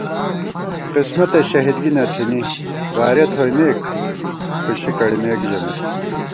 قِسمَتہ شہیدگی نہ تھنی وارِیَہ تھوئیمېک کھُشی کڑِمېک ژمېت